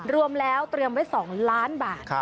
รวมแล้วเตรียมไว้๒ล้านบาท